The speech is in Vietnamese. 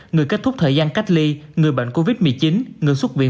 người kết thúc thời gian cách ly người bệnh covid một mươi chín người xuất viện